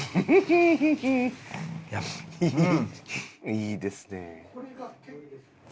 いいですね。